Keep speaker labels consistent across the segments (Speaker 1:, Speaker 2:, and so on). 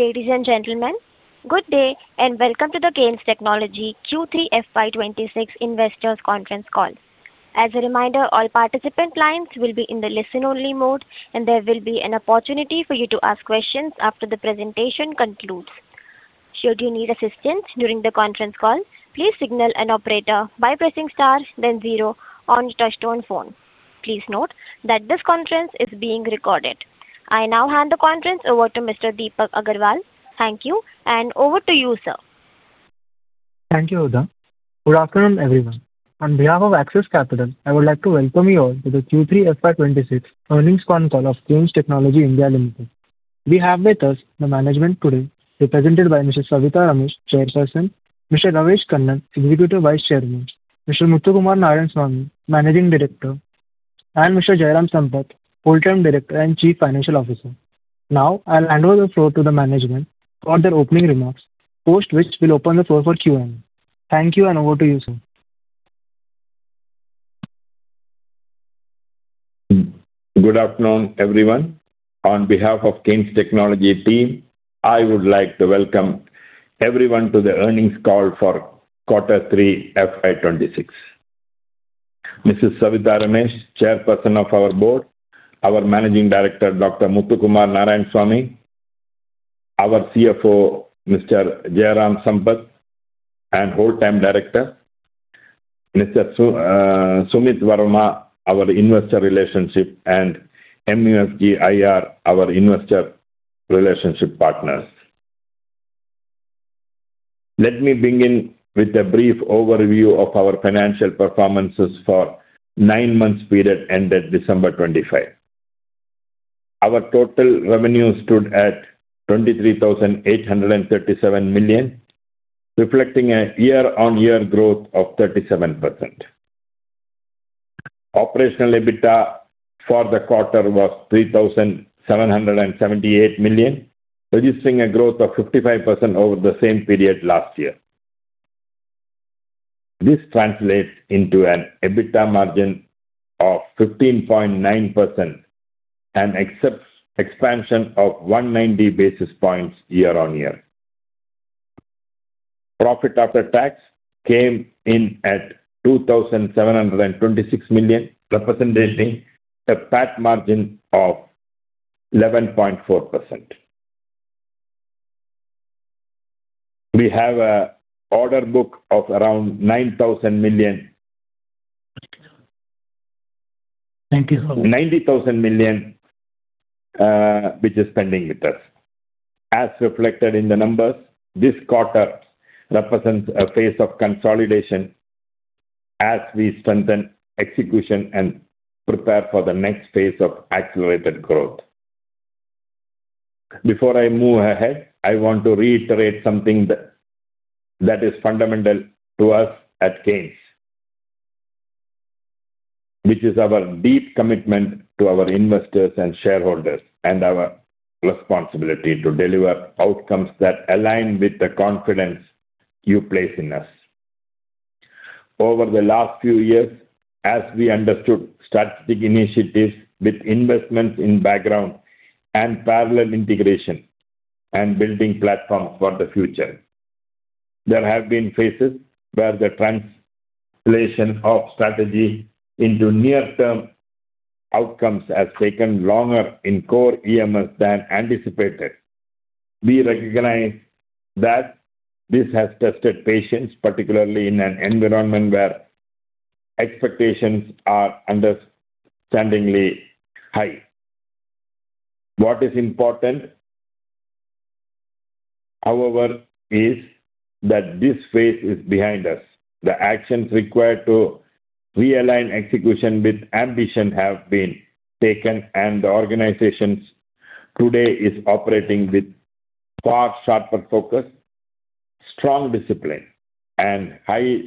Speaker 1: Ladies and gentlemen, good day and welcome to the Kaynes Technology Q3 FY26 investors' conference call. As a reminder, all participant lines will be in the listen-only mode, and there will be an opportunity for you to ask questions after the presentation concludes. Should you need assistance during the conference call, please signal an operator by pressing star then zero on your touch-tone phone. Please note that this conference is being recorded. I now hand the conference over to Mr. Deepak Agrawal. Thank you, and over to you, sir.
Speaker 2: Thank you, Hoda. Good afternoon, everyone. On behalf of Axis Capital, I would like to welcome you all to the Q3 FY26 earnings phone call of Kaynes Technology India Limited. We have with us the management today, represented by Ms. Savitha Ramesh, chairperson; Mr. Ramesh Kunhikannan, executive vice chairman; Mr. Muthukumar Narayanaswamy, managing director; and Mr. Jairam P. Sampath, full-time director and chief financial officer. Now I'll hand over the floor to the management for their opening remarks, post which will open the floor for Q&A. Thank you, and over to you, sir.
Speaker 3: Good afternoon, everyone. On behalf of Kaynes Technology team, I would like to welcome everyone to the earnings call for Q3 FY26. Ms. Savitha Ramesh, chairperson of our board; our managing director, Dr. Muthukumar Narayanaswamy; our CFO, Mr. Jairam P. Sampath, and full-time director; Mr. Sumit Verma, our investor relationship, and Strategic Growth Advisors, our investor relationship partners. Let me begin with a brief overview of our financial performance for the 9-month period ended December 25. Our total revenue stood at 23,837 million, reflecting a year-on-year growth of 37%. Operational EBITDA for the quarter was 3,778 million, registering a growth of 55% over the same period last year. This translates into an EBITDA margin of 15.9% and expansion of 190 basis points year-on-year. Profit after tax came in at 2,726 million, representing a PAT margin of 11.4%. We have an order book of around 9,000 million-
Speaker 4: Thank you, sir.
Speaker 3: 90,000 million, which is pending with us. As reflected in the numbers, this quarter represents a phase of consolidation as we strengthen execution and prepare for the next phase of accelerated growth. Before I move ahead, I want to reiterate something that is fundamental to us at Kaynes, which is our deep commitment to our investors and shareholders, and our responsibility to deliver outcomes that align with the confidence you place in us. Over the last few years, as we understood strategic initiatives with investments in the background and parallel integration and building platforms for the future, there have been phases where the translation of strategy into near-term outcomes has taken longer in core EMS than anticipated. We recognize that this has tested patience, particularly in an environment where expectations are understandably high. What is important, however, is that this phase is behind us. The actions required to realign execution with ambition have been taken, and the organization today is operating with far sharper focus, strong discipline, and highest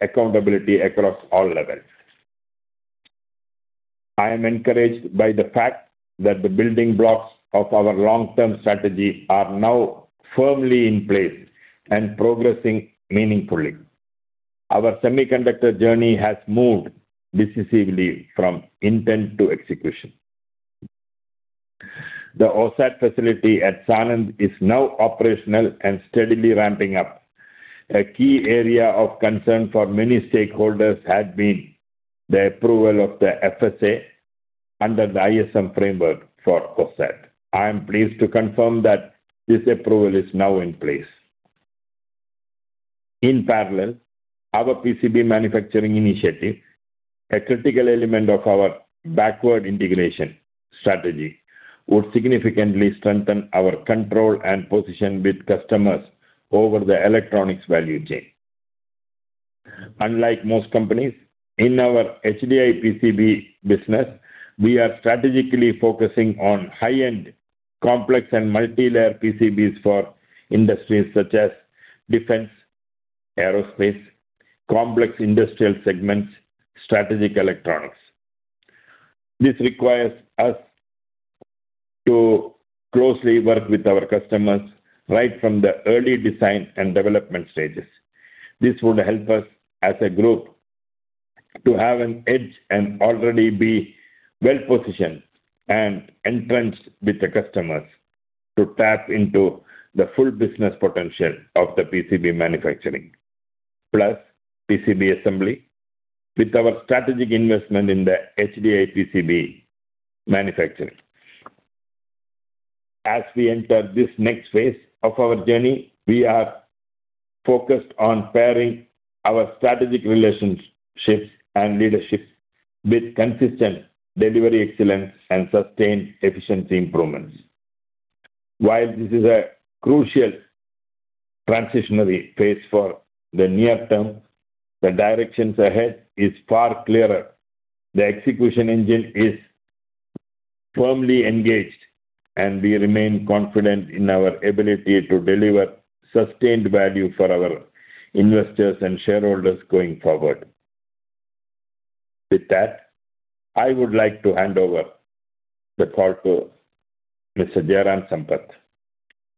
Speaker 3: accountability across all levels. I am encouraged by the fact that the building blocks of our long-term strategy are now firmly in place and progressing meaningfully. Our semiconductor journey has moved decisively from intent to execution. The OSAT facility at Sanand is now operational and steadily ramping up. A key area of concern for many stakeholders has been the approval of the Final Sanction Approval under the ISM framework for OSAT. I am pleased to confirm that this approval is now in place. In parallel, our PCB manufacturing initiative, a critical element of our backward integration strategy, would significantly strengthen our control and position with customers over the electronics value chain. Unlike most companies, in our HDI PCB business, we are strategically focusing on high-end, complex, and multi-layer PCBs for industries such as defense, aerospace, complex industrial segments, and strategic electronics. This requires us to closely work with our customers right from the early design and development stages. This would help us as a group to have an edge and already be well-positioned and entrenched with the customers to tap into the full business potential of the PCB manufacturing, plus PCB assembly, with our strategic investment in the HDI PCB manufacturing. As we enter this next phase of our journey, we are focused on pairing our strategic relationships and leadership with consistent delivery excellence and sustained efficiency improvements. While this is a crucial transitionary phase for the near term, the directions ahead are far clearer. The execution engine is firmly engaged, and we remain confident in our ability to deliver sustained value for our investors and shareholders going forward. With that, I would like to hand over the call to Mr. Jairam Sampath.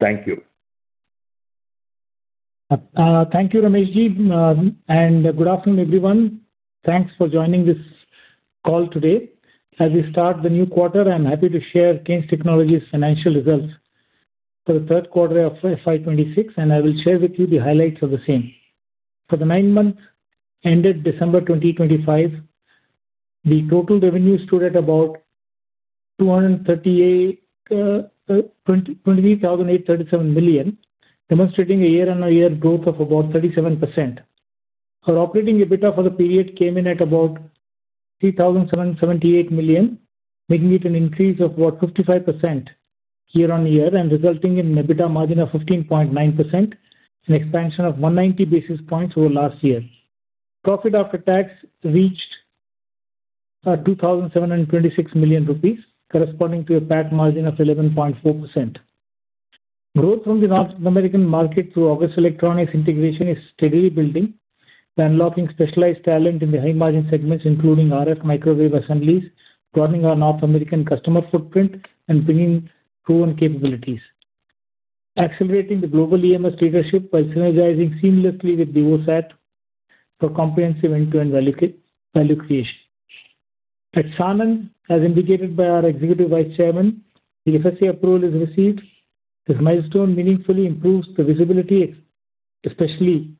Speaker 3: Thank you.
Speaker 5: Thank you, Ramesh Ji, and good afternoon, everyone. Thanks for joining this call today. As we start the new quarter, I'm happy to share Kaynes Technology's financial results for the third quarter of FY2026, and I will share with you the highlights of the same. For the nine-month period ended December 2025, the total revenue stood at about 238,037 million, demonstrating a year-on-year growth of about 37%. Our operating EBITDA for the period came in at about 3,778 million, making it an increase of about 55% year-on-year and resulting in an EBITDA margin of 15.9% and expansion of 190 basis points over last year. Profit after tax reached 2,726 million rupees, corresponding to a PAT margin of 11.4%. Growth from the North American market through Digicom Electronics integration is steadily building, unlocking specialized talent in the high-margin segments, including RF microwave assemblies, broadening our North American customer footprint, and bringing in proven capabilities. Accelerating the global EMS leadership while synergizing seamlessly with the OSAT for comprehensive end-to-end value creation. At Sanand, as indicated by our Executive Vice Chairman, the Final Sanction Approval approval is received. This milestone meaningfully improves the visibility, especially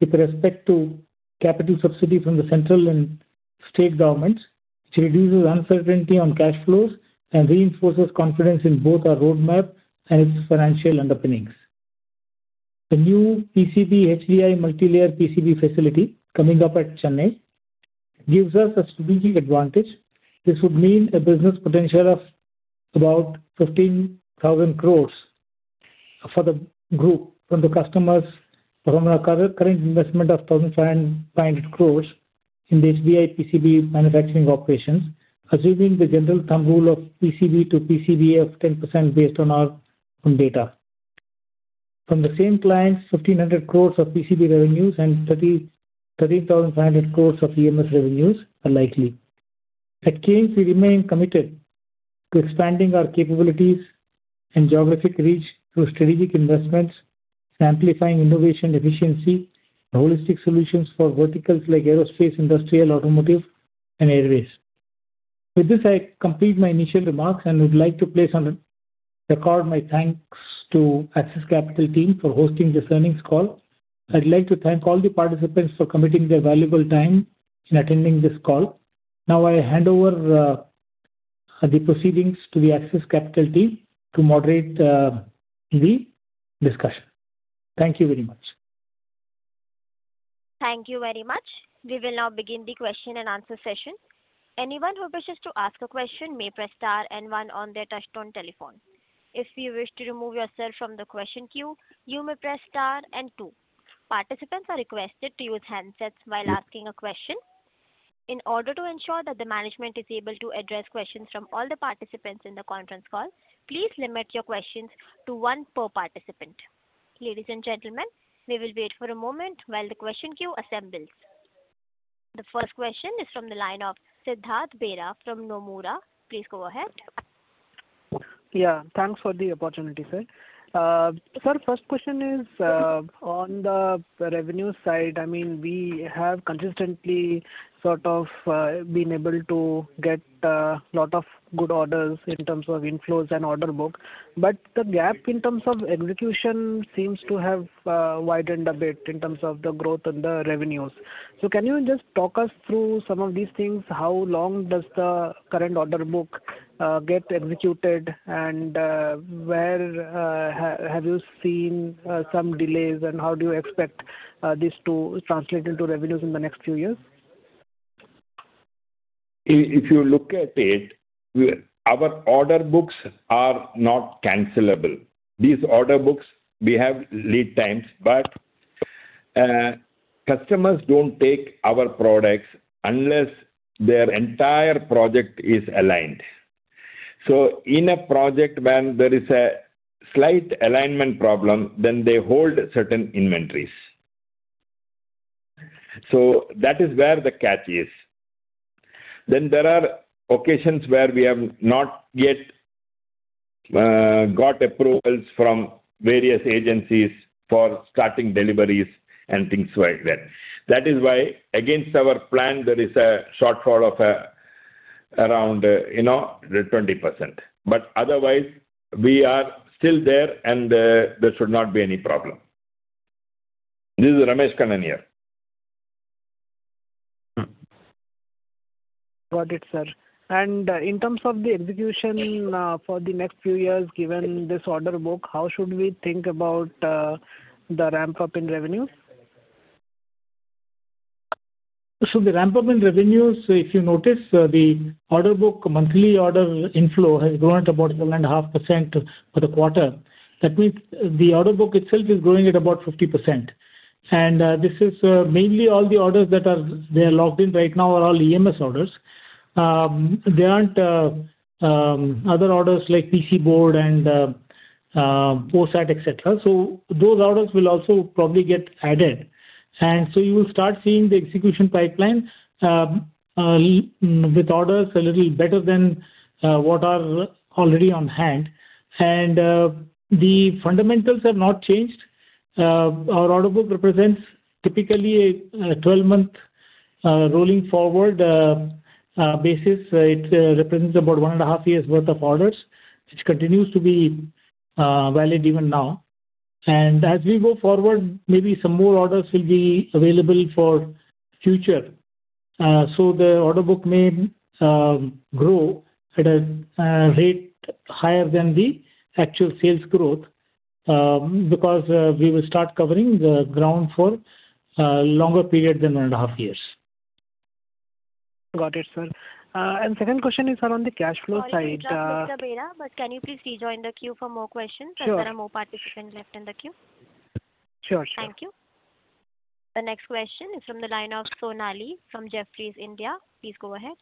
Speaker 5: with respect to capital subsidy from the central and state governments, which reduces uncertainty on cash flows and reinforces confidence in both our roadmap and its financial underpinnings. The new PCB HDI multi-layer PCB facility coming up at Chennai gives us a strategic advantage. This would mean a business potential of about 15,000 crore for the group from the customers from a current investment of 1,500 crore in the HDI PCB manufacturing operations, achieving the general thumb rule of PCB to PCB of 10% based on our own data. From the same clients, 1,500 crore of PCB revenues and 13,500 crore of EMS revenues are likely. At Kaynes, we remain committed to expanding our capabilities and geographic reach through strategic investments, amplifying innovation, efficiency, and holistic solutions for verticals like aerospace, industrial, automotive, and rairways. With this, I complete my initial remarks and would like to place on the record my thanks to the Axis Capital team for hosting this earnings call. I'd like to thank all the participants for committing their valuable time in attending this call. Now I hand over the proceedings to the Axis Capital team to moderate the discussion. Thank you very much.
Speaker 1: Thank you very much. We will now begin the question and answer session. Anyone who wishes to ask a question may press star and one on their touch-tone telephone. If you wish to remove yourself from the question queue, you may press star and two. Participants are requested to use handsets while asking a question. In order to ensure that the management is able to address questions from all the participants in the conference call, please limit your questions to one per participant. Ladies and gentlemen, we will wait for a moment while the question queue assembles. The first question is from the line of Siddharth Bera from Nomura. Please go ahead.
Speaker 6: Yeah, thanks for the opportunity, sir. First question is on the revenue side. I mean, we have consistently sort of been able to get a lot of good orders in terms of inflows and order book, but the gap in terms of execution seems to have widened a bit in terms of the growth and the revenues. So can you just talk us through some of these things? How long does the current order book get executed, and where have you seen some delays, and how do you expect this to translate into revenues in the next few years?
Speaker 3: If you look at it, our order books are not cancellable. These order books, we have lead times, but customers don't take our products unless their entire project is aligned. So in a project when there is a slight alignment problem, then they hold certain inventories. So that is where the catch is. Then there are occasions where we have not yet got approvals from various agencies for starting deliveries and things like that. That is why, against our plan, there is a shortfall of around, you know, 20%. But otherwise, we are still there, and there should not be any problem. This is Ramesh Kunhikannan here.
Speaker 6: Got it, sir. In terms of the execution, for the next few years, given this order book, how should we think about the ramp-up in revenues?
Speaker 5: So the ramp-up in revenues, if you notice, the order book, monthly order inflow has grown at about 1.5% for the quarter. That means the order book itself is growing at about 50%. And this is mainly all the orders that are there logged in right now are all EMS orders. There aren't other orders like PCB and OSAT, etc. So those orders will also probably get added. And so you will start seeing the execution pipeline with orders a little better than what are already on hand. And the fundamentals have not changed. Our order book represents typically a 12-month rolling forward basis. It represents about 1.5 years' worth of orders, which continues to be valid even now. And as we go forward, maybe some more orders will be available for future. The order book may grow at a rate higher than the actual sales growth, because we will start covering the ground for a longer period than 1.5 years.
Speaker 6: Got it, sir. The second question is around the cash flow side.
Speaker 1: Sorry, Dr. Bera, but can you please rejoin the queue for more questions?
Speaker 6: Sure.
Speaker 1: As there are more participants left in the queue.
Speaker 6: Sure, sure.
Speaker 1: Thank you. The next question is from the line of Sonali from Jefferies India. Please go ahead.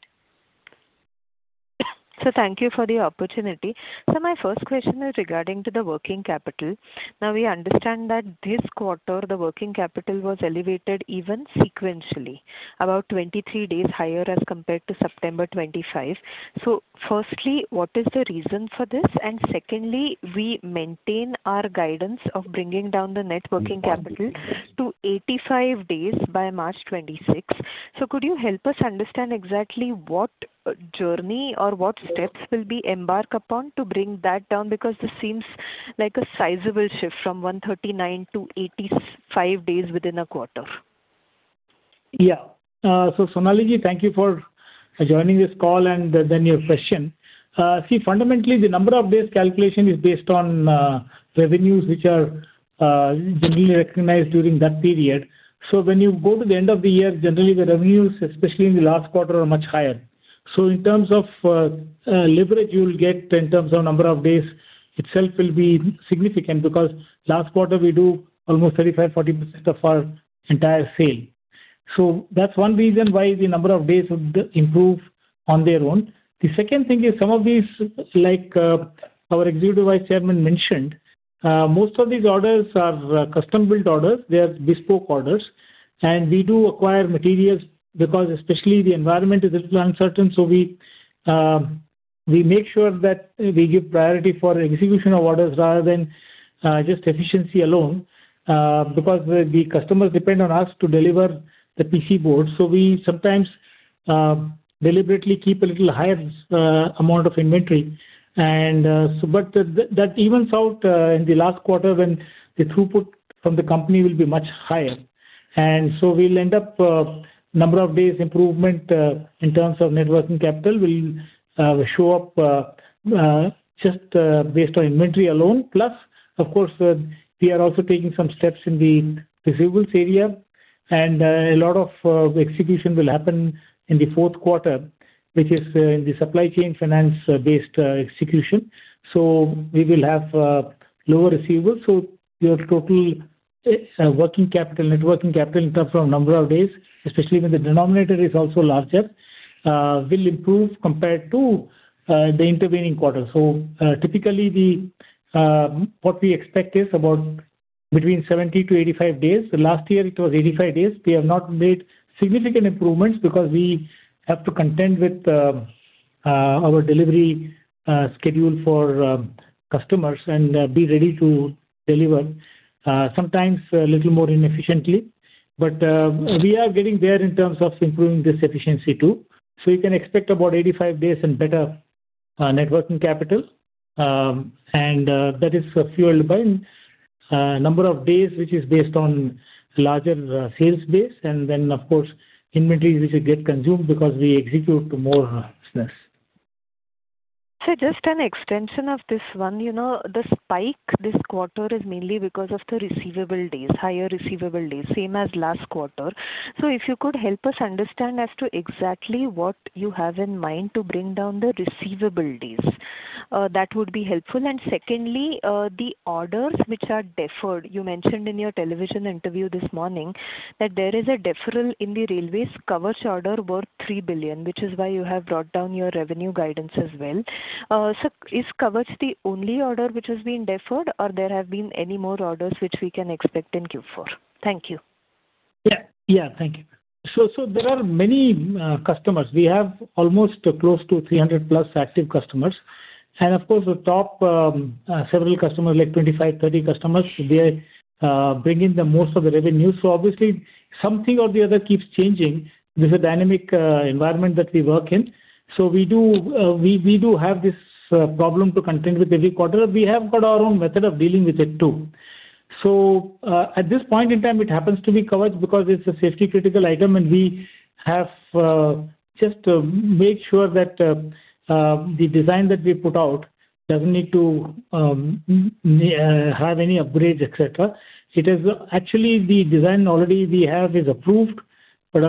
Speaker 6: Sir, thank you for the opportunity. So my first question is regarding the working capital. Now, we understand that this quarter, the working capital was elevated even sequentially, about 23 days higher as compared to September 2025. So firstly, what is the reason for this? And secondly, we maintain our guidance of bringing down the net working capital to 85 days by March 2026. So could you help us understand exactly what journey or what steps will we embark upon to bring that down? Because this seems like a sizable shift from 139 to 85 days within a quarter.
Speaker 5: Yeah. So, Sonali Ji, thank you for joining this call and then your question. See, fundamentally, the number of days calculation is based on revenues which are generally recognized during that period. So when you go to the end of the year, generally the revenues, especially in the last quarter, are much higher. So in terms of leverage you'll get in terms of number of days itself will be significant because last quarter we do almost 35%-40% of our entire sale. So that's one reason why the number of days would improve on their own. The second thing is some of these, like our Executive Vice Chairman mentioned, most of these orders are custom-built orders. They are bespoke orders. And we do acquire materials because especially the environment is a little uncertain. So we make sure that we give priority for execution of orders rather than just efficiency alone, because the customers depend on us to deliver the PCB. So we sometimes deliberately keep a little higher amount of inventory. But that evens out in the last quarter when the throughput from the company will be much higher. And so we'll end up number of days improvement in terms of net working capital will show up just based on inventory alone. Plus, of course, we are also taking some steps in the receivables area. And a lot of execution will happen in the fourth quarter, which is in the supply chain finance-based execution. So we will have lower receivables. So your total working capital, net working capital in terms of number of days, especially when the denominator is also larger, will improve compared to the intervening quarter. So, typically, what we expect is about 70-85 days. Last year, it was 85 days. We have not made significant improvements because we have to contend with our delivery schedule for customers and be ready to deliver, sometimes a little more inefficiently. But we are getting there in terms of improving this efficiency too. So you can expect about 85 days and better net working capital. And that is fueled by number of days, which is based on a larger sales base, and then, of course, inventories which get consumed because we execute more business.
Speaker 6: Sir, just an extension of this one, you know, the spike this quarter is mainly because of the receivable days, higher receivable days, same as last quarter. So if you could help us understand as to exactly what you have in mind to bring down the receivable days, that would be helpful. And secondly, the orders which are deferred, you mentioned in your television interview this morning that there is a deferral in the railways coverage order worth 3 billion, which is why you have brought down your revenue guidance as well. So is coverage the only order which has been deferred, or there have been any more orders which we can expect in queue for? Thank you.
Speaker 5: Yeah, yeah, thank you. So there are many customers. We have almost close to 300+ active customers. And of course, the top several customers, like 25, 30 customers, they're bringing the most of the revenue. So obviously, something or the other keeps changing. This is a dynamic environment that we work in. So we do have this problem to contend with every quarter. We have got our own method of dealing with it too. So, at this point in time, it happens to be coverage because it's a safety-critical item, and we have just made sure that the design that we put out doesn't need to have any upgrades, etc. It is actually the design we already have is approved, but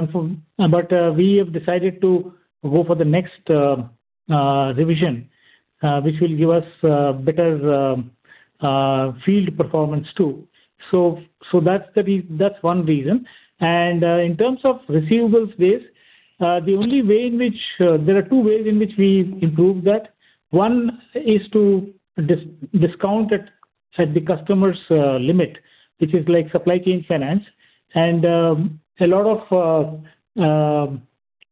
Speaker 5: we have decided to go for the next revision, which will give us better field performance too. So that's one reason. And in terms of receivables base, the only way in which there are two ways in which we improve that. One is to discount at the customer's limit, which is like supply chain finance. And a lot of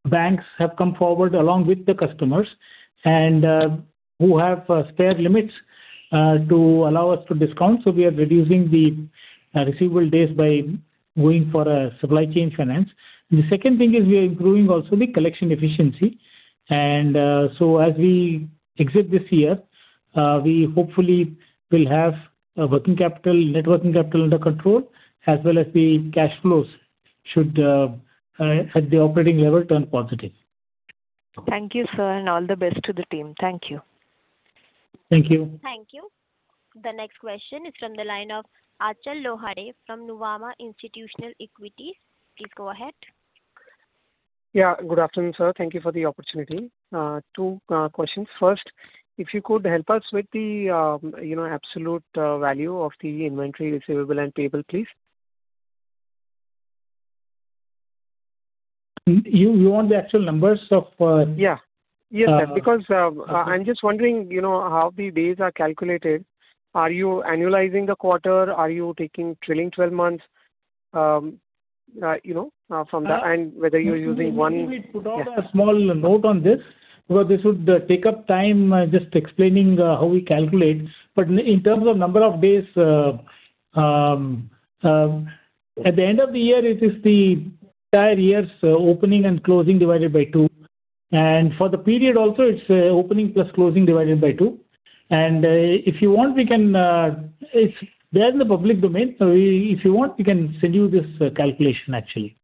Speaker 5: banks have come forward along with the customers and who have spare limits to allow us to discount. So we are reducing the receivable days by going for supply chain finance. The second thing is we are improving also the collection efficiency. And so as we exit this year, we hopefully will have working capital, net working capital under control, as well as the cash flows should at the operating level turn positive.
Speaker 1: Thank you, sir, and all the best to the team. Thank you.
Speaker 5: Thank you.
Speaker 1: Thank you. The next question is from the line of Achal Lohade from Nuvama Institutional Equities. Please go ahead.
Speaker 7: Yeah, good afternoon, sir. Thank you for the opportunity. 2 questions. First, if you could help us with the, you know, absolute value of the inventory receivable and payable, please.
Speaker 5: you want the actual numbers of,
Speaker 6: Yeah. Yes, sir. Because, I'm just wondering, you know, how the days are calculated. Are you annualizing the quarter? Are you taking trailing 12 months? You know, from that? And whether you're using one.
Speaker 5: If we could put off a small note on this because this would take up time just explaining how we calculate. But in terms of number of days, at the end of the year, it is the entire year's opening and closing divided by 2. And for the period also, it's opening plus closing divided by 2. And if you want, we can. It's there in the public domain. So we, if you want, we can send you this calculation, actually.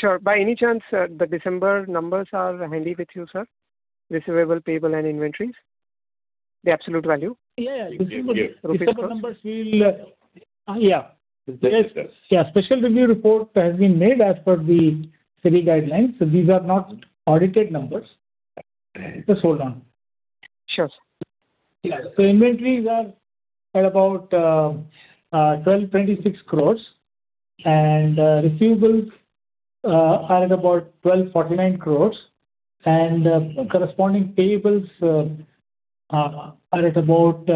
Speaker 6: Sure. By any chance, the December numbers are handy with you, sir? Receivables, payables, and inventories? The absolute value?
Speaker 5: Yeah, yeah. December numbers will, yeah. Yes. Yeah, special review report has been made as per the city guidelines. So these are not audited numbers. Just hold on.
Speaker 6: Sure.
Speaker 5: Yeah. So inventories are at about 1,226 crores. And receivables are at about 1,249 crores. And corresponding payables are at about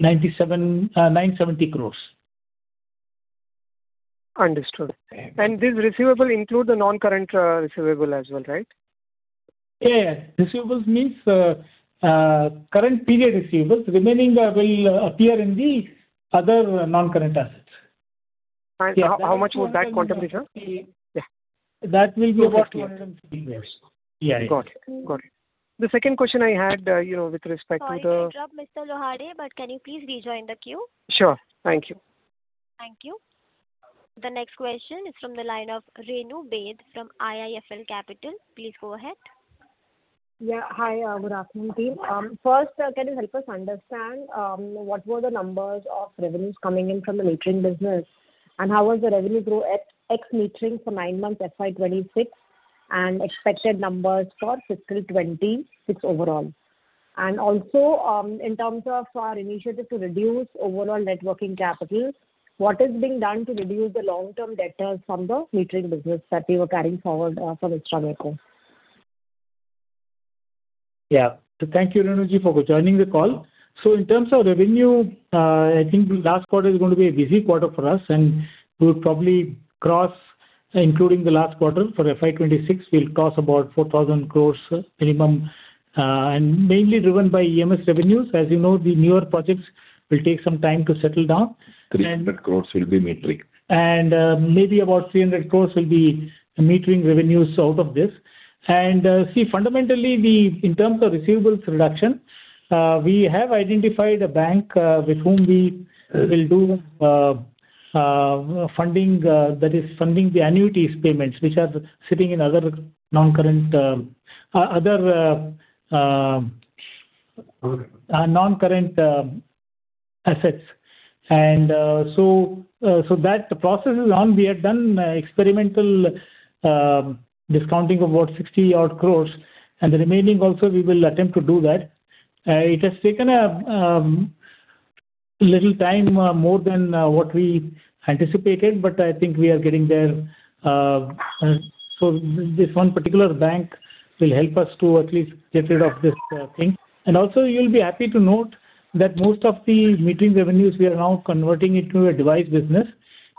Speaker 5: 97,970 crores.
Speaker 6: Understood. And this receivable includes the non-current receivable as well, right?
Speaker 5: Yeah, yeah. Receivables means current period receivables. Remaining will appear in the other non-current assets.
Speaker 6: How much would that quantum be?
Speaker 5: Yeah. That will be about 103 crore. Yeah, yeah.
Speaker 8: Got it. Got it. The second question I had, you know, with respect to the.
Speaker 1: Sorry to interrupt, Mr. Lohade, but can you please rejoin the queue?
Speaker 8: Sure. Thank you.
Speaker 1: Thank you. The next question is from the line of Renu Baid from IIFL Securities. Please go ahead.
Speaker 9: Yeah, hi, good afternoon, team. First, can you help us understand what were the numbers of revenues coming in from the metering business? And how was the revenue growth at smart metering for 9 months, FY26, and expected numbers for fiscal 26 overall? And also, in terms of our initiative to reduce overall working capital, what is being done to reduce the long-term debtors from the metering business that we were carrying forward from Iskraemeco?
Speaker 5: Yeah. So thank you, Renu Ji, for joining the call. So in terms of revenue, I think last quarter is going to be a busy quarter for us. And we would probably cross, including the last quarter for FY26, we'll cross about 4,000 crore minimum, and mainly driven by EMS revenues. As you know, the newer projects will take some time to settle down.
Speaker 6: 300 crore will be metering.
Speaker 5: Maybe about 300 crore will be metering revenues out of this. See, fundamentally, then in terms of receivables reduction, we have identified a bank, with whom we will do funding, that is funding the annuities payments, which are sitting in other non-current, other, non-current, assets. So that process is on. We have done experimental discounting of about 60-odd crore. And the remaining also, we will attempt to do that. It has taken a little time, more than what we anticipated. But I think we are getting there. So this one particular bank will help us to at least get rid of this thing. And also, you'll be happy to note that most of the metering revenues, we are now converting it to a device business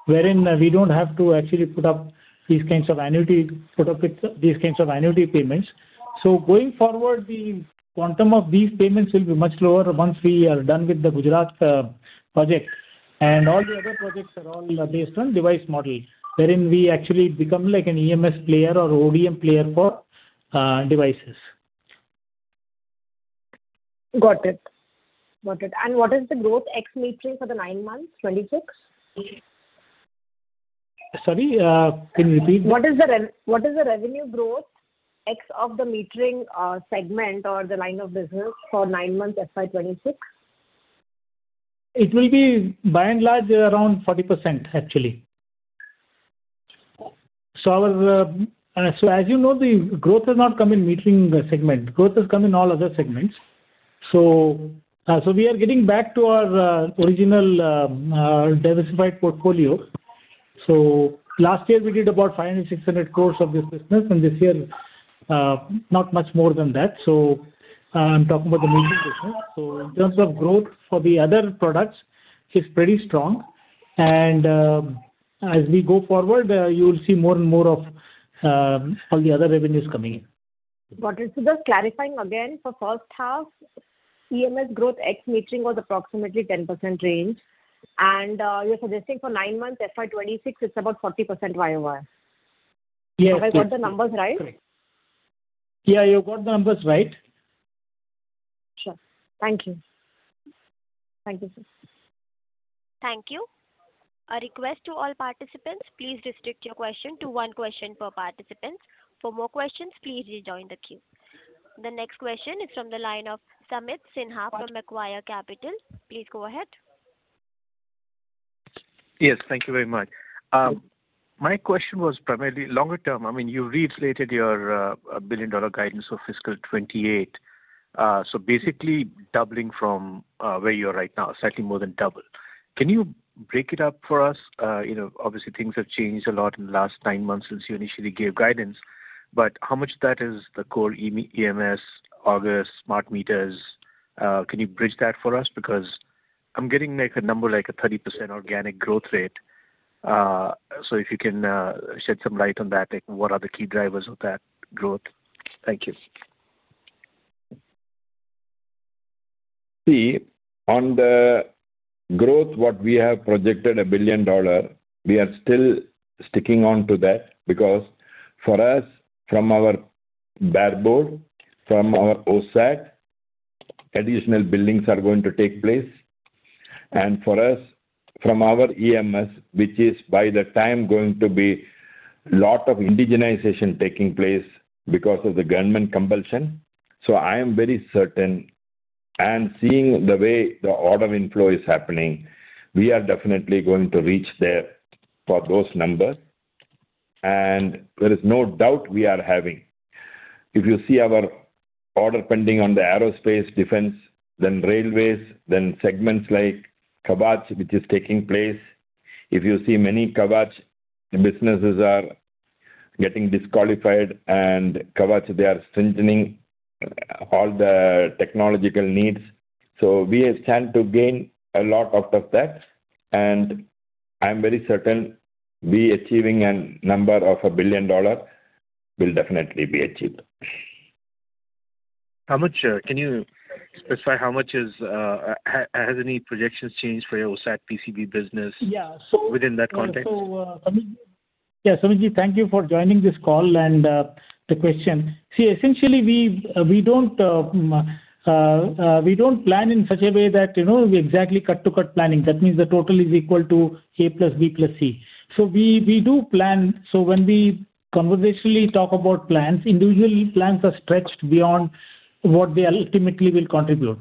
Speaker 5: wherein we don't have to actually put up these kinds of annuity put up with these kinds of annuity payments. Going forward, the quantum of these payments will be much lower once we are done with the Gujarat project. All the other projects are all based on device model wherein we actually become like an EMS player or ODM player for devices.
Speaker 6: Got it. Got it. What is the growth ex metering for the 9 months, 26?
Speaker 5: Sorry? Can you repeat that?
Speaker 6: What is the revenue growth X of the metering segment or the line of business for nine months, FY 2026?
Speaker 5: It will be, by and large, around 40%, actually. So our, so as you know, the growth has not come in metering segment. Growth has come in all other segments. So, so we are getting back to our, original, diversified portfolio. So last year, we did about 500 crore - 600 crores of this business. And this year, not much more than that. So, I'm talking about the metering business. So in terms of growth for the other products, it's pretty strong. And, as we go forward, you will see more and more of, all the other revenues coming in.
Speaker 6: Got it. So just clarifying again, for first half, EMS growth ex metering was approximately 10% range. And you're suggesting for nine months, FY 2026, it's about 40% YOR.
Speaker 5: Yes. Correct.
Speaker 6: Have I got the numbers right?
Speaker 5: Yeah, you've got the numbers right.
Speaker 6: Sure. Thank you. Thank you, sir.
Speaker 1: Thank you. A request to all participants: please restrict your question to one question per participant. For more questions, please rejoin the queue. The next question is from the line of Sumeet Sinha from Macquarie Capital. Please go ahead.
Speaker 10: Yes, thank you very much. My question was primarily longer term. I mean, you've reiterated your billion-dollar guidance for fiscal 2028, so basically doubling from where you are right now, slightly more than double. Can you break it up for us? You know, obviously, things have changed a lot in the last 9 months since you initially gave guidance. But how much of that is the core EM EMS, August, smart meters? Can you bridge that for us? Because I'm getting, like, a number, like a 30% organic growth rate. So if you can shed some light on that, like, what are the key drivers of that growth? Thank you.
Speaker 2: See, on the growth, what we have projected $1 billion, we are still sticking onto that because for us, from our bare board, from our OSAT, additional buildings are going to take place. And for us, from our EMS, which is by the time going to be a lot of indigenization taking place because of the government compulsion. So I am very certain, and seeing the way the order inflow is happening, we are definitely going to reach there for those numbers. And there is no doubt we are having. If you see our order pending on the aerospace, defense, then railways, then segments like Kavach, which is taking place, if you see many Kavach businesses are getting disqualified, and Kavach, they are strengthening, all the technological needs. So we have chance to gain a lot out of that.
Speaker 10: I am very certain we achieving a number of a $1 billion will definitely be achieved.
Speaker 6: Samit sir, can you specify how much has any projections changed for your OSAT PCB business?
Speaker 5: Yeah. So.
Speaker 6: Within that context?
Speaker 5: So, Sumit ji, yeah, Sumit ji, thank you for joining this call and the question. See, essentially, we don't plan in such a way that, you know, we exactly cut-to-cut planning. That means the total is equal to A plus B plus C. So we do plan. So when we conversationally talk about plans, individual plans are stretched beyond what they ultimately will contribute.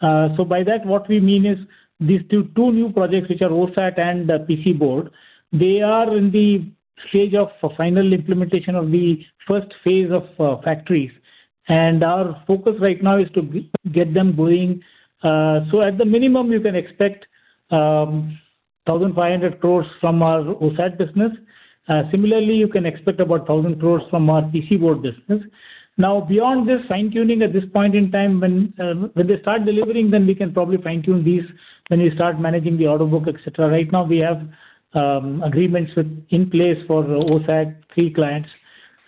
Speaker 5: So by that, what we mean is these two new projects, which are OSAT and the PC board, they are in the stage of final implementation of the first phase of factories. And our focus right now is to get them going. So at the minimum, you can expect 1,500 crores from our OSAT business. Similarly, you can expect about 1,000 crores from our PC board business. Now, beyond this, fine-tuning at this point in time, when they start delivering, then we can probably fine-tune these when we start managing the order book, etc. Right now, we have agreements within place for OSAT, three clients.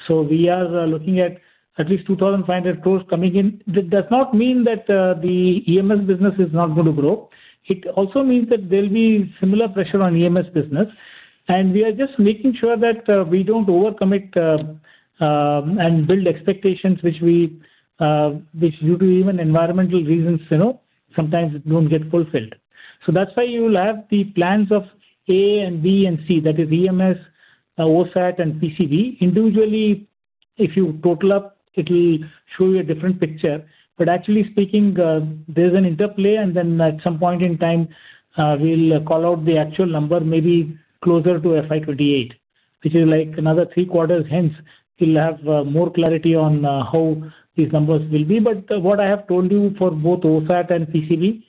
Speaker 5: So we are looking at at least 2,500 crore coming in. That does not mean that the EMS business is not going to grow. It also means that there'll be similar pressure on EMS business. And we are just making sure that we don't overcommit and build expectations, which we, which due to even environmental reasons, you know, sometimes don't get fulfilled. So that's why you'll have the plans of A and B and C. That is EMS, OSAT, and PCB. Individually, if you total up, it'll show you a different picture. But actually speaking, there's an interplay. And then at some point in time, we'll call out the actual number, maybe closer to FY 2028, which is like another three quarters. Hence, you'll have more clarity on how these numbers will be. But what I have told you for both OSAT and PCB,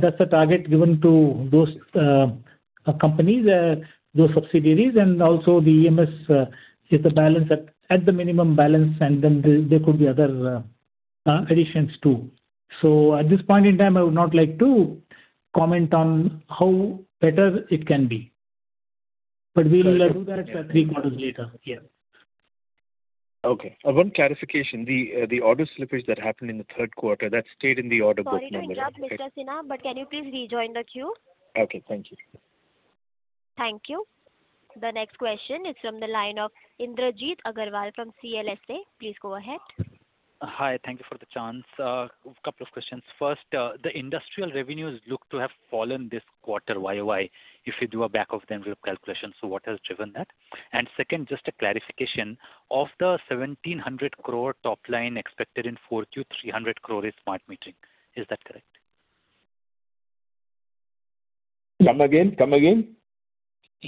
Speaker 5: that's the target given to those companies, those subsidiaries. And also, the EMS is the balance at the minimum balance. And then there could be other additions too. So at this point in time, I would not like to comment on how better it can be. But we'll do that three quarters later. Yeah.
Speaker 6: Okay. One clarification. The order slippage that happened in the third quarter, that stayed in the order book number.
Speaker 1: Sorry to interrupt, Mr. Sinha, but can you please rejoin the queue?
Speaker 6: Okay. Thank you.
Speaker 1: Thank you. The next question is from the line of Indrajit Agarwal from CLSA. Please go ahead.
Speaker 11: Hi. Thank you for the chance. Couple of questions. First, the industrial revenues look to have fallen this quarter YoY. If you do a back-of-the-envelope calculation, so what has driven that? And second, just a clarification, of the 1,700 crore top line expected in 4Q, 300 crore is smart metering. Is that correct?
Speaker 5: Come again? Come again?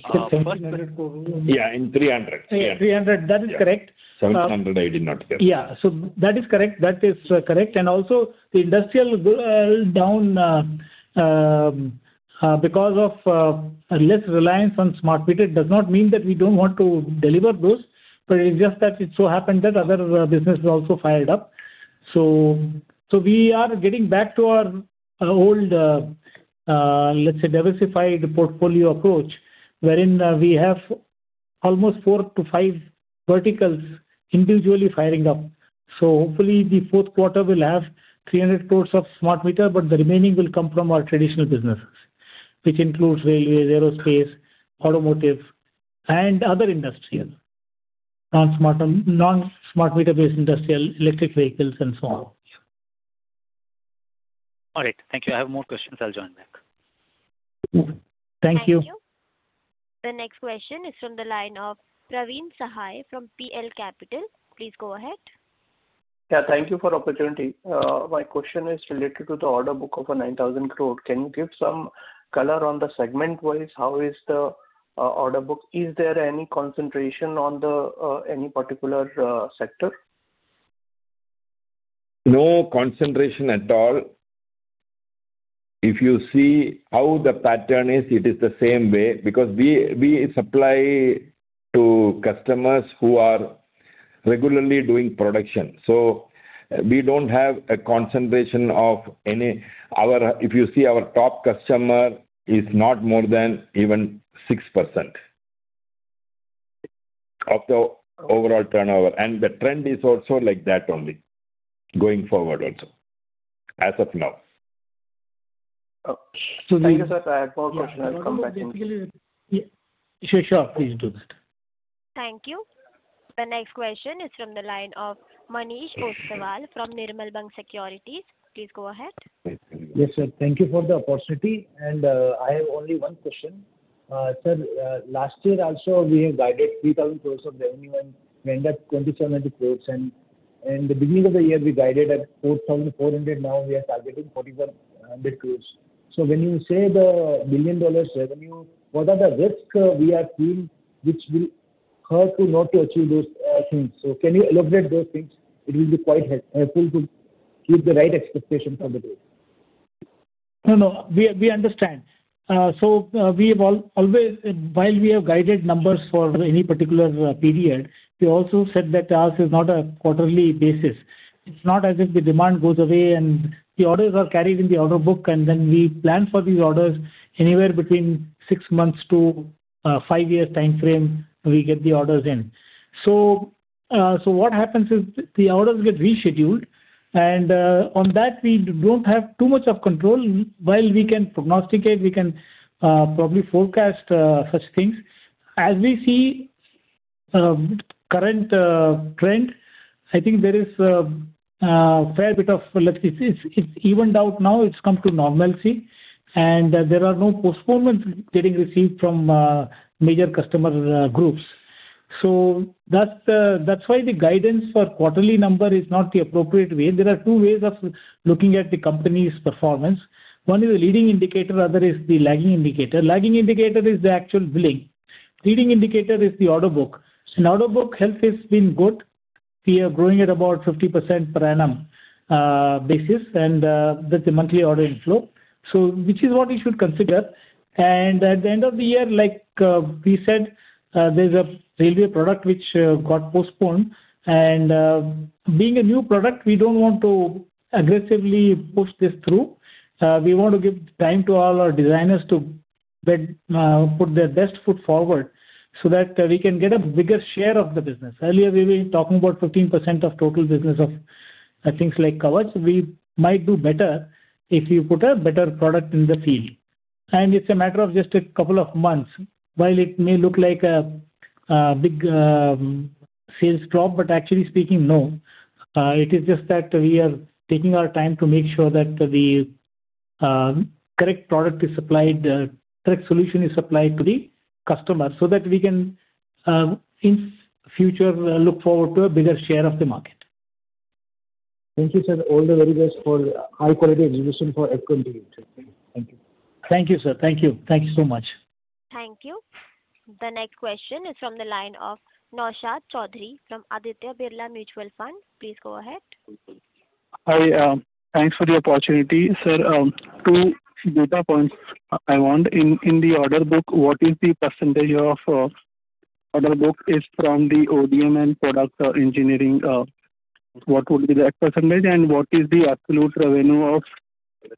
Speaker 6: 1,700 crore?
Speaker 5: Yeah, in 300. Yeah. In 300. That is correct.
Speaker 11: 1,700, I did not hear.
Speaker 5: Yeah. So that is correct. That is correct. And also, the industrial slowdown, because of less reliance on smart meter does not mean that we don't want to deliver those. But it is just that it so happened that other businesses also fired up. So we are getting back to our old, let's say, diversified portfolio approach wherein we have almost four to five verticals individually firing up. So hopefully, the fourth quarter will have 300 crore of smart meter, but the remaining will come from our traditional businesses, which includes railways, aerospace, automotive, and other industrial, non-smart non-smart meter-based industrial, electric vehicles, and so on. Yeah.
Speaker 11: All right. Thank you. I have more questions. I'll join back.
Speaker 5: Thank you.
Speaker 1: Thank you. The next question is from the line of Praveen Sahay from PL Capital. Please go ahead.
Speaker 12: Yeah. Thank you for the opportunity. My question is related to the order book of 9,000 crore. Can you give some color on the segment-wise? How is the order book? Is there any concentration on any particular sector? No concentration at all. If you see how the pattern is, it is the same way because we supply to customers who are regularly doing production. So we don't have a concentration of any one if you see our top customer is not more than even 6% of the overall turnover. The trend is also like that only going forward also, as of now. Okay. So thank you, sir. I have more questions. I'll come back in.
Speaker 6: Yeah. Sure, sure. Please do that.
Speaker 1: Thank you. The next question is from the line of Manish Ostwal from Nirmal Bang. Please go ahead.
Speaker 5: Yes, sir. Thank you for the opportunity. I have only one question. Sir, last year, also, we guided 3,000 crore of revenue, and we ended up 2,700 crore. And at the beginning of the year, we guided 4,400 crore. Now, we are targeting 4,400 crore. So when you say the billion-dollar revenue, what are the risks we are seeing which will hurt not to achieve those things? So can you elaborate those things? It will be quite helpful to keep the right expectation for the growth. No. We understand. So, we have always, while we have guided numbers for any particular period, we also said that it is not a quarterly basis. It's not as if the demand goes away, and the orders are carried in the order book. And then we plan for these orders anywhere between six months to five years time frame. We get the orders in. So what happens is the orders get rescheduled. And on that, we don't have too much control. While we can prognosticate, we can probably forecast such things. As we see current trend, I think there is a fair bit. It's evened out now. It's come to normalcy. And there are no postponements getting received from major customer groups. So that's why the guidance for quarterly number is not the appropriate way. There are two ways of looking at the company's performance. One is a leading indicator. Other is the lagging indicator. Lagging indicator is the actual billing. Leading indicator is the order book. And order book health has been good. We are growing at about 50% per annum basis, and that's the monthly order inflow, so which is what you should consider. At the end of the year, like, we said, there's a railway product which got postponed. Being a new product, we don't want to aggressively push this through. We want to give time to all our designers to better put their best foot forward so that we can get a bigger share of the business. Earlier, we were talking about 15% of total business of things like Kavach. We might do better if you put a better product in the field. It's a matter of just a couple of months while it may look like a big sales drop. But actually speaking, no. It is just that we are taking our time to make sure that the correct product is supplied, correct solution is supplied to the customer so that we can in future look forward to a bigger share of the market. Thank you, sir. All the very best for high-quality execution for F28. Thank you. Thank you, sir. Thank you. Thank you so much.
Speaker 1: Thank you. The next question is from the line of Naushad Chaudhary from Aditya Birla Sun Life AMC. Please go ahead.
Speaker 13: Hi. Thanks for the opportunity, sir. Two data points I want. In the order book, what is the percentage of order book is from the ODM and product engineering? What would be the exact percentage? And what is the absolute revenue of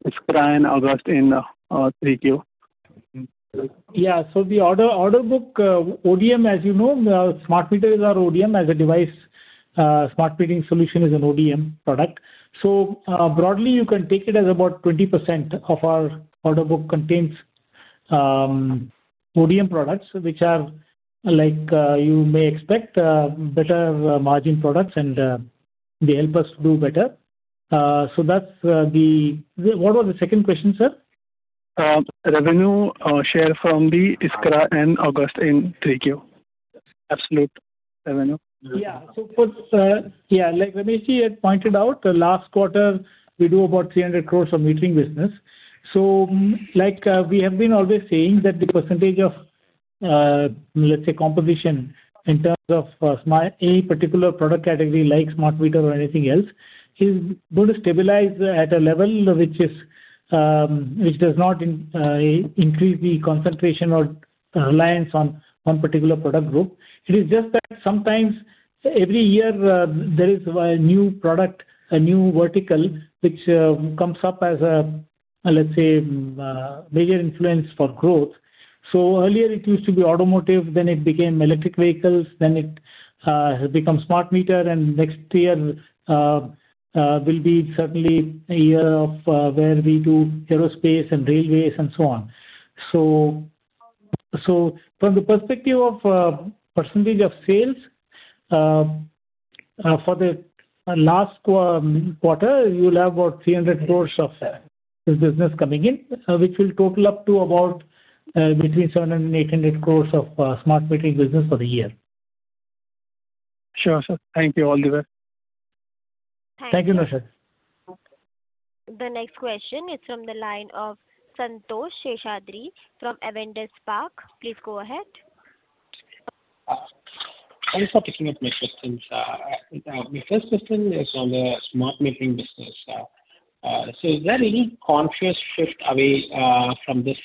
Speaker 13: Iskraemeco and August in 3Q? Yeah. So the order book, ODM, as you know, smart meters are ODM. As a device, smart metering solution is an ODM product. So broadly, you can take it as about 20% of our order book contains ODM products, which are, like you may expect, better margin products. And they help us do better. So that's. What was the second question, sir? Revenue share from the Iskraemeco and August in 3Q. Absolute revenue. Yeah. So for yeah, like Ramesh ji had pointed out, the last quarter, we do about 300 crores of metering business. So, like, we have been always saying that the percentage of, let's say, composition in terms of, smart any particular product category like smart meter or anything else is going to stabilize at a level which is, which does not in, increase the concentration or reliance on, on particular product group. It is just that sometimes, every year, there is a new product, a new vertical, which, comes up as a, let's say, major influence for growth. So earlier, it used to be automotive. Then it became electric vehicles. Then it, has become smart meter. And next year, will be certainly a year of, where we do aerospace and railways and so on.
Speaker 5: So, from the perspective of percentage of sales, for the last quarter, you'll have about 300 crore of this business coming in, which will total up to about between 700 crore and 800 crore of smart metering business for the year. Sure, sir. Thank you all the best.
Speaker 1: Thank you, Noah Glass. The next question is from the line of Santosh Seshadri from Avendus Spark. Please go ahead.
Speaker 14: Thanks for picking up my questions. My first question is on the smart metering business. So is there any conscious shift away, from this,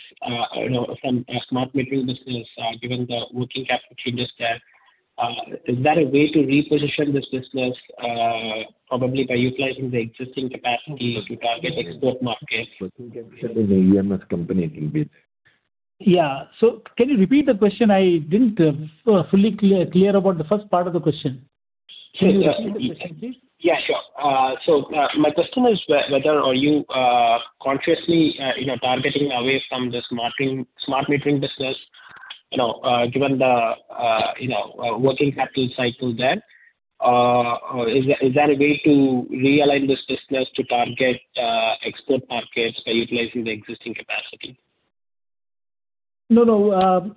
Speaker 14: you know, from, smart metering business, given the working capital changes there? Is that a way to reposition this business, probably by utilizing the existing capacity to target export market? Working capacity in the EMS company a little bit. Yeah. So can you repeat the question? I didn't, fully clear about the first part of the question. Can you repeat the question, please? Yeah, sure. So, my question is whether, whether are you, consciously, you know, targeting away from the smart metering business, you know, given the, you know, working capital cycle there? Is that is that a way to realign this business to target, export markets by utilizing the existing capacity? No, no.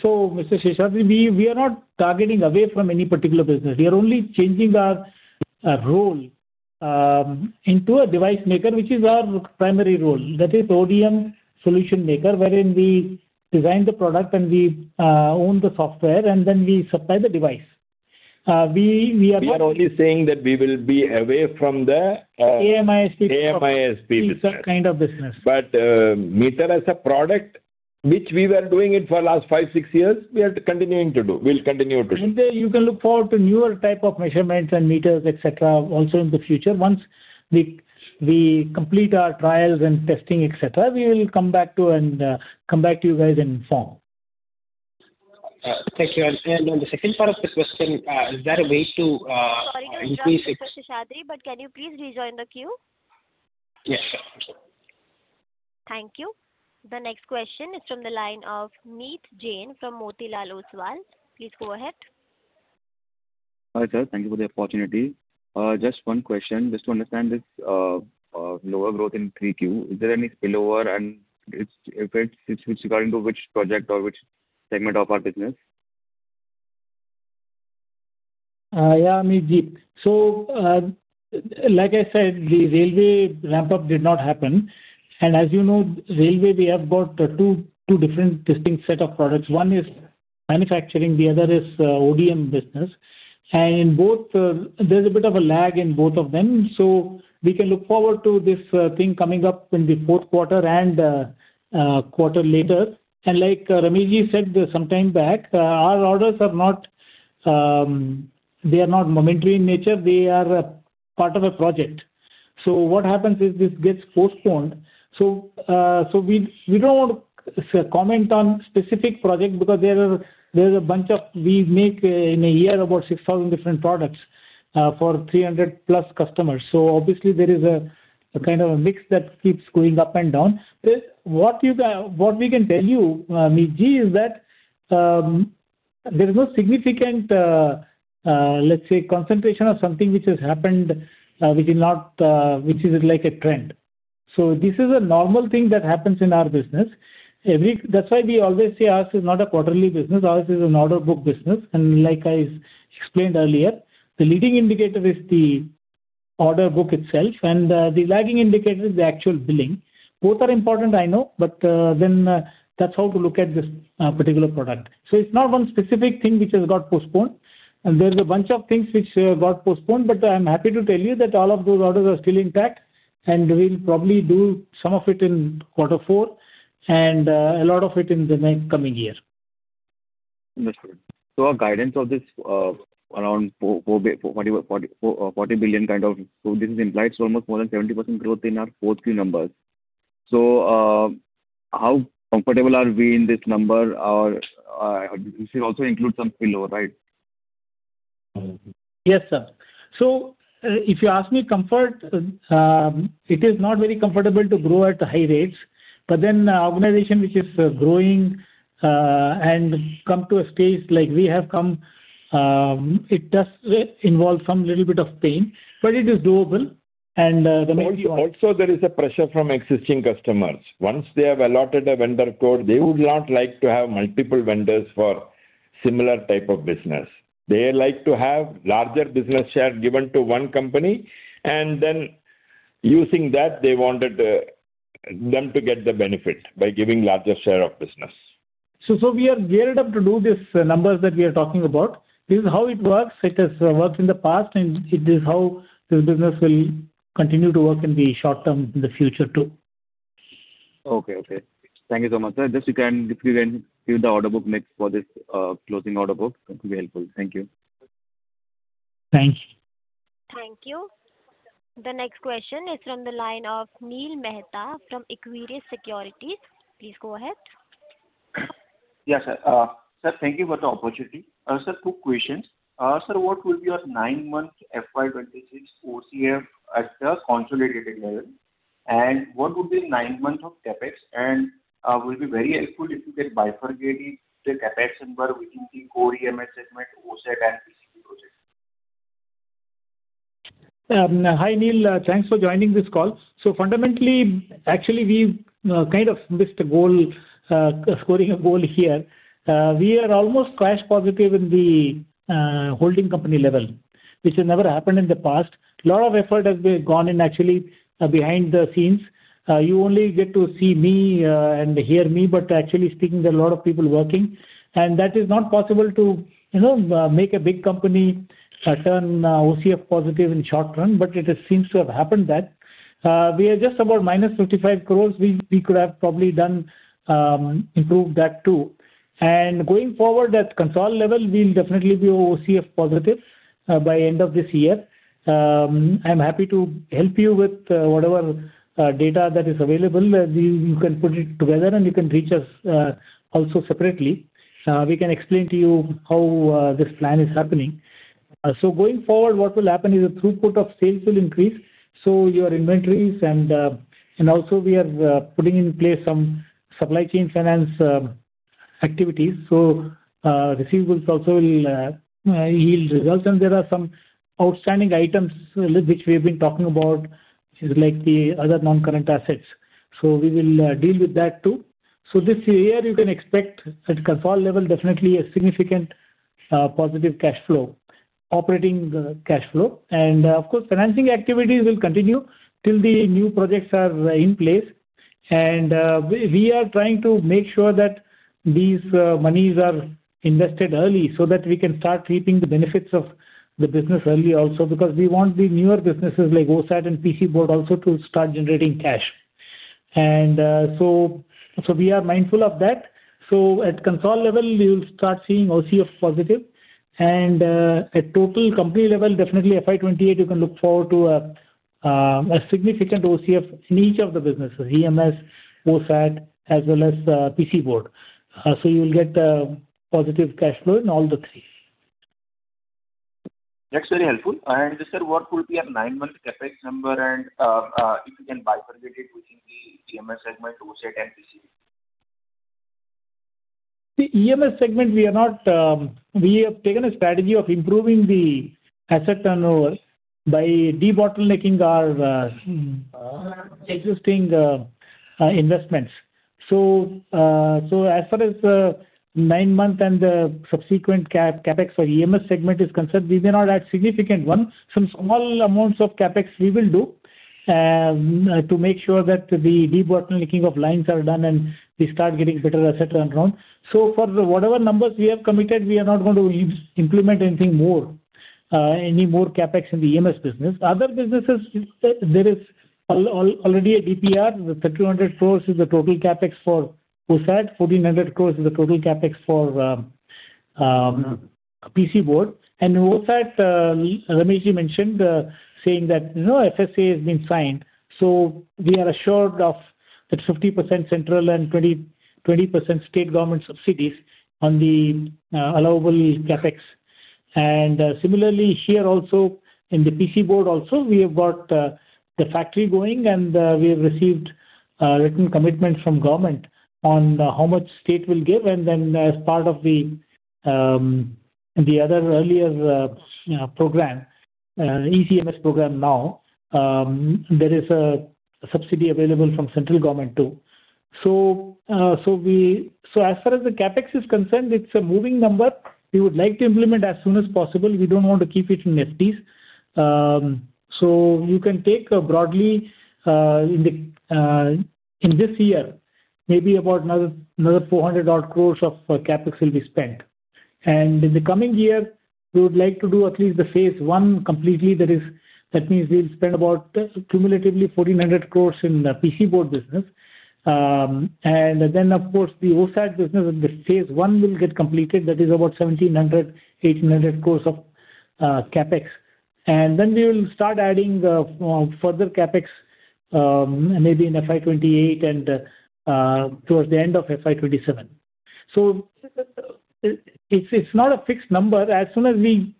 Speaker 14: So, Mr.
Speaker 5: Seshadri, we, we are not targeting away from any particular business. We are only changing our, role, into a device maker, which is our primary role. That is ODM solution maker, wherein we design the product, and we, own the software. And then we supply the device. We, we are not. We are only saying that we will be away from the, AMISP business. AMISP business. Kind of business. But, meter as a product, which we were doing it for the last 5, 6 years, we are continuing to do. We'll continue to do. And then you can look forward to newer type of measurements and meters, etc., also in the future. Once we, we complete our trials and testing, etc., we will come back to and, come back to you guys and inform. Thank you. On the second part of the question, is that a way to increase?
Speaker 1: Sorry to interrupt, Mr. Seshadri, but can you please rejoin the queue?
Speaker 5: Yes, sir. I'm sorry.
Speaker 1: Thank you. The next question is from the line of Meet Jain from Motilal Oswal. Please go ahead.
Speaker 15: Hi, sir. Thank you for the opportunity. Just one question. Just to understand this, lower growth in 3Q, is there any spillover and if it's regarding to which project or which segment of our business?
Speaker 5: Yeah, Amit deep. So, like I said, the railway ramp-up did not happen. As you know, railway, we have got two, two different distinct set of products. One is manufacturing. The other is ODM business. In both, there's a bit of a lag in both of them. So we can look forward to this thing coming up in the fourth quarter and a quarter later. Like Ramesh ji said sometime back, our orders are not, they are not momentary in nature. They are a part of a project. So what happens is this gets postponed. So we don't want to comment on specific projects because there's a bunch. We make in a year about 6,000 different products for 300+ customers. So obviously, there is a kind of a mix that keeps going up and down. What we can tell you, Amit ji, is that there's no significant, let's say, concentration of something which has happened, which is not, which is like a trend. So this is a normal thing that happens in our business. That's why we always say ours is not a quarterly business. Ours is an order book business. And like I explained earlier, the leading indicator is the order book itself. And the lagging indicator is the actual billing. Both are important, I know. But then that's how to look at this particular product. So it's not one specific thing which has got postponed. And there's a bunch of things which got postponed. But I'm happy to tell you that all of those orders are still intact. And we'll probably do some of it in quarter four and a lot of it in the next coming year.
Speaker 15: Understood. So our guidance of this, around 40 billion kind of so this implies almost more than 70% growth in our 4Q numbers. So, how comfortable are we in this number? Or, this should also include some spillover, right?
Speaker 5: Yes, sir. So if you ask me comfort, it is not very comfortable to grow at high rates. But then an organization which is growing, and come to a stage like we have come, it does involve some little bit of pain. But it is doable. And, the main thing is.
Speaker 15: Also, there is a pressure from existing customers. Once they have allotted a vendor code, they would not like to have multiple vendors for similar type of business. They like to have larger business share given to one company. And then using that, they wanted, them to get the benefit by giving larger share of business.
Speaker 5: So we are geared up to do this, numbers that we are talking about. This is how it works. It has worked in the past. It is how this business will continue to work in the short term, in the future, too.
Speaker 6: Okay, okay. Thank you so much, sir. Just, if you can give the order book mix for this, closing order book. That would be helpful. Thank you.
Speaker 5: Thank you.
Speaker 1: Thank you. The next question is from the line of Neel Mehta from Equirus Securities. Please go ahead.
Speaker 16: Yes, sir. Sir, thank you for the opportunity. Sir, two questions. Sir, what will be your nine-month FY 2026 OCF at the consolidated level? And what would be nine months of CapEx? And, it will be very helpful if you can bifurcate it to CapEx number within the core EMS segment, OSAT, and PCB project.
Speaker 4: Hi, Neel. Thanks for joining this call. So fundamentally, actually, we kind of missed the goal, scoring a goal here. We are almost cash positive at the holding company level, which has never happened in the past. A lot of effort has been gone in, actually, behind the scenes. You only get to see me and hear me. But actually speaking, there are a lot of people working. And that is not possible to, you know, make a big company turn OCF positive in the short run. But it seems to have happened that we are just about -55 crore. We could have probably done improve that, too. And going forward at consolidated level, we'll definitely be OCF positive by the end of this year. I'm happy to help you with whatever data that is available. You can put it together. And you can reach us also separately. We can explain to you how this plan is happening. So going forward, what will happen is a throughput of sales will increase. So your inventories and also we are putting in place some supply chain finance activities. So receivables also will yield results. And there are some outstanding items which we have been talking about, which is like the other non-current assets. So we will deal with that too. So this year, you can expect at consolidated level definitely a significant positive cash flow, operating cash flow. And of course, financing activities will continue till the new projects are in place. And we are trying to make sure that these monies are invested early so that we can start reaping the benefits of the business early also because we want the newer businesses like OSAT and PCB also to start generating cash. So we are mindful of that. So at consolidated level, you'll start seeing OCF positive. And at total company level, definitely FY 2028, you can look forward to a significant OCF in each of the businesses, EMS, OSAT, as well as PCB. So you'll get the positive cash flow in all the three.
Speaker 16: Next very helpful. Sir, what will be your nine-month CapEx number? And, if you can bifurcate it within the EMS segment, OSAT, and PCB?
Speaker 4: The EMS segment, we have taken a strategy of improving the asset turnover by debottlenecking our existing investments. So as far as the nine-month and the subsequent CapEx for EMS segment is concerned, we may not add significant. Some small amounts of CapEx, we will do, to make sure that the debottlenecking of lines are done and we start getting better, etc., and so on. So for the whatever numbers we have committed, we are not going to implement anything more, any more CapEx in the EMS business. Other businesses, there is already a DPR. The 3,200 crore is the total CapEx for OSAT. 1,400 crore is the total CapEx for PCB. And OSAT, Ramesh ji mentioned, saying that, you know, Final Sanction Approval has been signed. So we are assured of that 50% central and 20% state government subsidies on the allowable CapEx. Similarly, here also in the PCB, we have got the factory going. We have received written commitments from government on how much state will give. And then as part of the other earlier program, SPECS program now, there is a subsidy available from central government, too. So as far as the CapEx is concerned, it's a moving number. We would like to implement as soon as possible. We don't want to keep it in limbo. So you can take broadly, in this year, maybe about another 400-odd crore of CapEx will be spent. And in the coming year, we would like to do at least the phase one completely. That is, that means we'll spend about cumulatively 1,400 crore in the PCB business. And then, of course, the OSAT business, the phase one will get completed. That is about 1,700 crores-1,800 crores of CapEx. Then we will start adding the further CapEx, maybe in FY28 and towards the end of FY27. So it's not a fixed number. As soon as we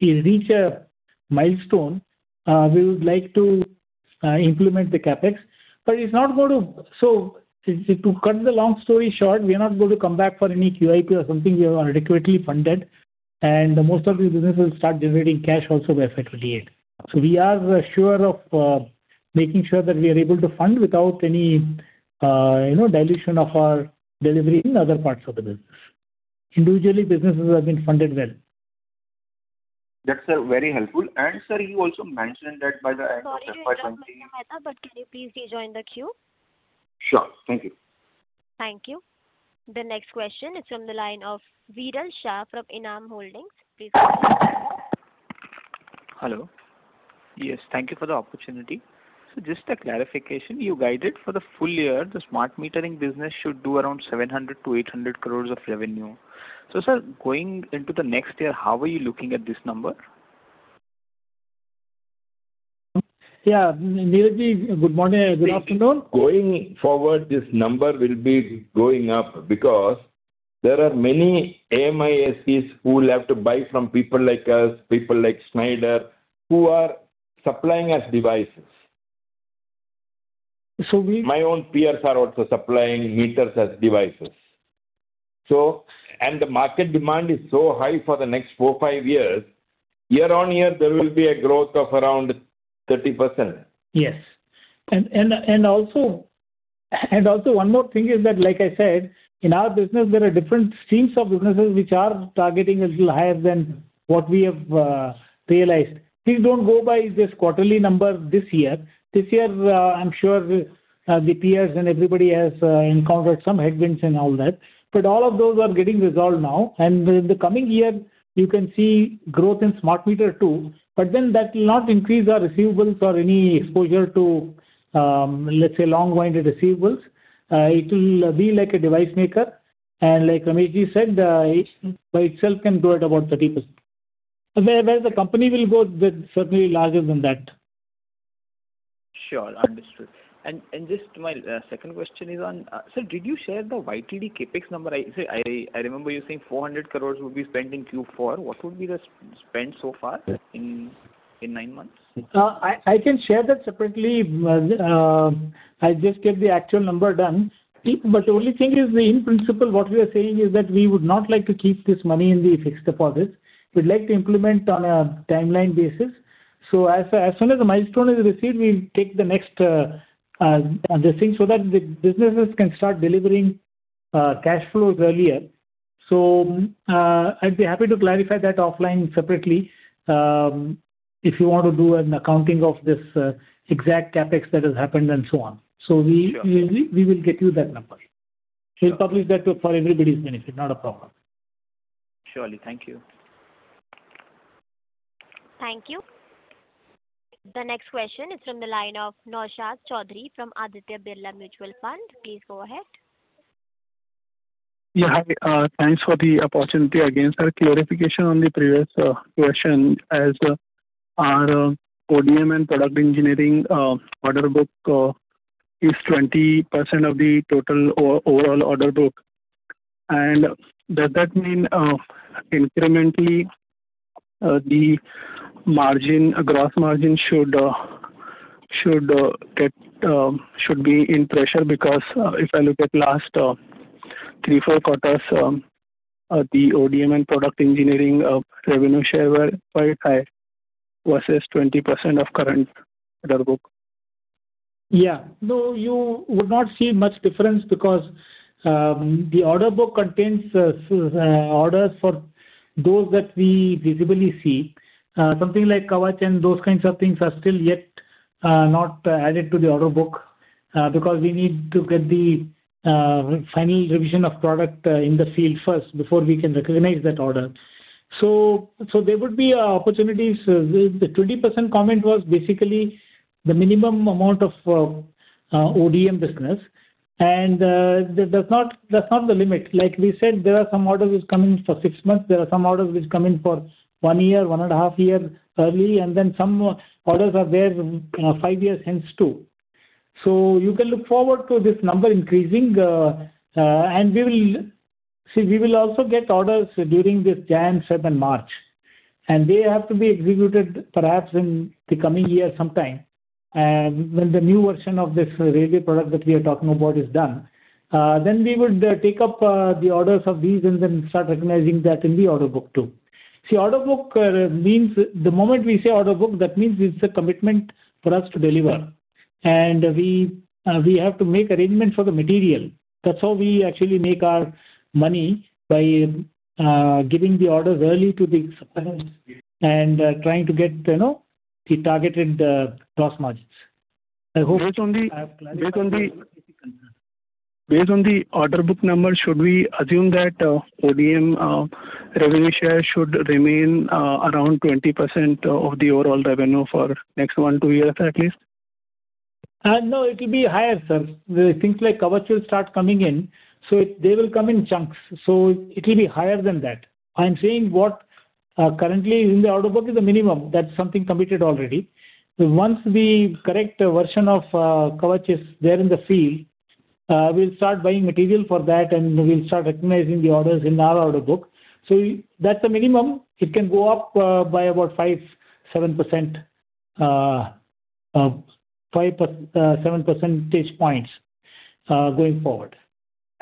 Speaker 4: reach a milestone, we would like to implement the CapEx. But it's not going to so to cut the long story short, we are not going to come back for any QIP or something. We are adequately funded. And most of these businesses start generating cash also by FY28. So we are sure of making sure that we are able to fund without any, you know, dilution of our delivery in other parts of the business. Individually, businesses have been funded well.
Speaker 6: Yes, sir. Very helpful. Sir, you also mentioned that by the end of FY 2020.
Speaker 1: Thank you, Mr. Mehta. But can you please rejoin the queue?
Speaker 6: Sure. Thank you.
Speaker 1: Thank you. The next question is from the line of Viral Shah from Enam Holdings. Please go ahead.
Speaker 17: Hello. Yes, thank you for the opportunity. So just a clarification, you guided for the full year, the smart metering business should do around 700-800 crores of revenue. So, sir, going into the next year, how are you looking at this number?
Speaker 5: Yeah, Neeraj ji, good morning. Good afternoon.
Speaker 6: Going forward, this number will be going up because there are many AMISPs who will have to buy from people like us, people like Schneider, who are supplying us devices.
Speaker 5: So we.
Speaker 6: My own peers are also supplying meters as devices. So, and the market demand is so high for the next 4-5 years. Year on year, there will be a growth of around 30%.
Speaker 5: Yes. And also, one more thing is that, like I said, in our business, there are different streams of businesses which are targeting a little higher than what we have realized. Please don't go by this quarterly number this year. This year, I'm sure, the peers and everybody has encountered some headwinds and all that. But all of those are getting resolved now. And in the coming year, you can see growth in smart meter, too. But then that will not increase our receivables or any exposure to, let's say, long-winded receivables. It will be like a device maker. And like Ramesh ji said, it by itself can go at about 30%. Where the company will go, that's certainly larger than that.
Speaker 17: Sure. Understood. And just my second question is on, sir, did you share the YTD CapEx number? I remember you saying 400 crore would be spent in Q4. What would be the spend so far in nine months?
Speaker 4: I can share that separately. I just get the actual number done. But the only thing is, in principle, what we are saying is that we would not like to keep this money in the fixed deposits. We'd like to implement on a timeline basis. So as soon as the milestone is received, we'll take the next, addressing so that the businesses can start delivering, cash flows earlier. So, I'd be happy to clarify that offline separately, if you want to do an accounting of this, exact CapEx that has happened and so on. So we will get you that number. We'll publish that for everybody's benefit. Not a problem.
Speaker 17: Surely. Thank you.
Speaker 1: Thank you. The next question is from the line of Noah Shah Chaudhary from Aditya Birla Mutual Fund. Please go ahead.
Speaker 13: Yeah, hi. Thanks for the opportunity again, sir. Clarification on the previous question. As our ODM and product engineering order book is 20% of the total overall order book. And does that mean incrementally the gross margin should be under pressure because if I look at last 3-4 quarters the ODM and product engineering revenue share were quite high versus 20% of current order book?
Speaker 4: Yeah. No, you would not see much difference because the order book contains orders for those that we visibly see. Something like Kavach and those kinds of things are still yet not added to the order book, because we need to get the final revision of product in the field first before we can recognize that order. So there would be opportunities. The 20% comment was basically the minimum amount of ODM business. And that does not, that's not the limit. Like we said, there are some orders which come in for six months. There are some orders which come in for one year, one and a half year early. And then some orders are there, five years hence too. So you can look forward to this number increasing, and we will see. We will also get orders during this January, February, and March. They have to be executed, perhaps, in the coming year sometime. When the new version of this radio product that we are talking about is done, then we would take up the orders of these and then start recognizing that in the order book, too. See, order book means the moment we say order book, that means it's a commitment for us to deliver. And we have to make arrangements for the material. That's how we actually make our money by giving the orders early to the suppliers and trying to get, you know, the targeted gross margins. I hope that.
Speaker 5: Based on the order book number, should we assume that ODM revenue share should remain around 20% of the overall revenue for next 1-2 years, at least?
Speaker 4: No, it will be higher, sir. Things like Kavach will start coming in. So it they will come in chunks. So it will be higher than that. I'm saying what currently is in the order book is the minimum. That's something committed already. Once the correct version of Kavach is there in the field, we'll start buying material for that. And we'll start recognizing the orders in our order book. So that's the minimum. It can go up by about 5%-7%, 5-7 percentage points, going forward.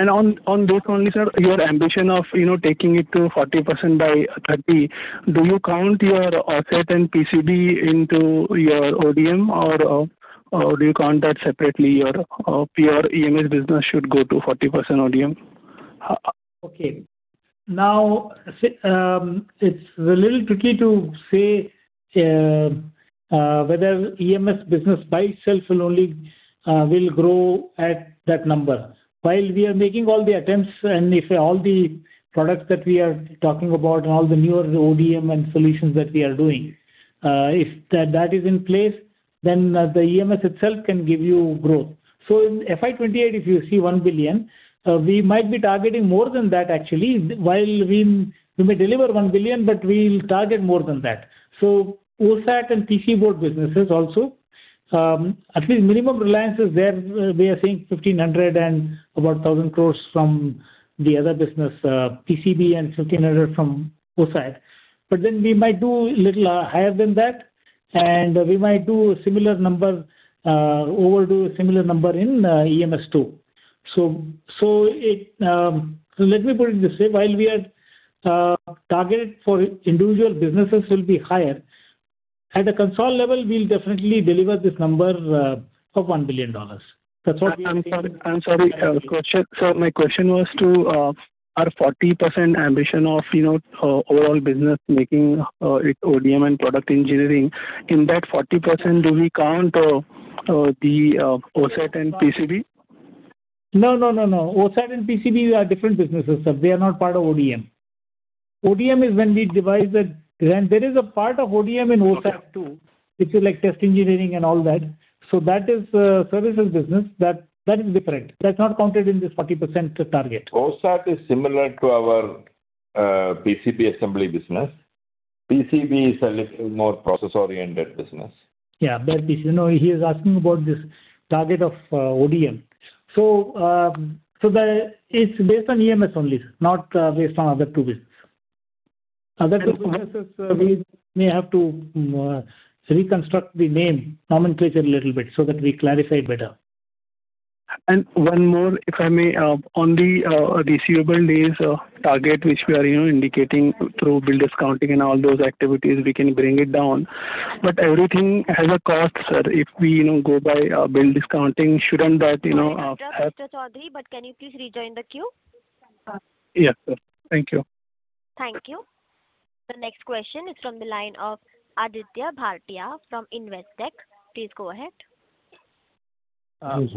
Speaker 5: On this only, sir, your ambition of, you know, taking it to 40% by 2030, do you count your OSAT and PCB into your ODM, or do you count that separately? Your pure EMS business should go to 40% ODM?
Speaker 4: Okay. Now, it's a little tricky to say whether EMS business by itself alone only will grow at that number. While we are making all the attempts, and if all the products that we are talking about and all the newer ODM and solutions that we are doing, if that that is in place, then the EMS itself can give you growth. So in FY 2028, if you see $1 billion, we might be targeting more than that, actually, while we we may deliver $1 billion, but we'll target more than that. So OSAT and PCB businesses also, at least minimum reliance is there. We are seeing 1,500 and about 1,000 crores from the other business, PCB and 1,500 from OSAT. But then we might do a little higher than that. And we might do a similar number, overdo a similar number in EMS, too. So let me put it this way. While we are targeted for individual businesses will be higher. At a consolidated level, we'll definitely deliver this number of $1 billion. That's what we're doing.
Speaker 5: I'm sorry. I'm sorry. Question. So my question was to our 40% ambition of, you know, overall business making it ODM and product engineering. In that 40%, do we count the OSAT and PCB?
Speaker 4: No, no, no, no. OSAT and PCB are different businesses, sir. They are not part of ODM. ODM is when we design the product. There is a part of ODM in OSAT, too, which is like test engineering and all that. So that is a services business that that is different. That's not counted in this 40% target.
Speaker 6: OSAT is similar to our PCB assembly business. PCB is a little more process-oriented business.
Speaker 4: Yeah, better PCB. No, he is asking about this target of ODM. So, the it's based on EMS only, sir, not based on other two businesses. Other two businesses, we may have to reconstruct the name nomenclature a little bit so that we clarify it better.
Speaker 5: And one more, if I may, on the receivable days target, which we are, you know, indicating through bill discounting and all those activities, we can bring it down. But everything has a cost, sir. If we, you know, go by bill discounting, shouldn't that, you know, have?
Speaker 1: Thank you, Mr. Chaudhary. But can you please rejoin the queue?
Speaker 5: Yes, sir. Thank you.
Speaker 1: Thank you. The next question is from the line of Aditya Bhartia from Investec. Please go ahead.